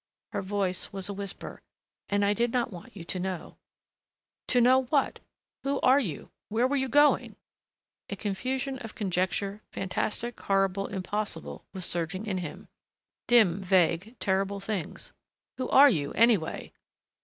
Her voice was a whisper. "And I did not want you to know " "To know what? Who are you? Where were you going?" A confusion of conjecture, fantastic, horrible, impossible, was surging in him. Dim, vague, terrible things.... "Who are you, anyway?"